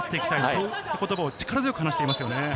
そう言葉を力強く話していますね。